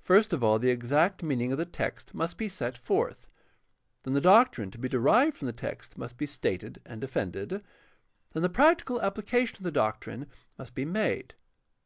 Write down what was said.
First of all the exact mean ing of the text must be set forth, then the doctrine to be derived from the text must be stated and defended, then the practical application of the doctrine must be made.